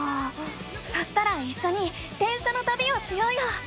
そしたらいっしょに電車のたびをしようよ！